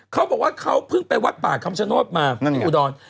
เขาบอกว่าเขาเพิ่งไปวัดป่าคำชโนธมาที่อุดร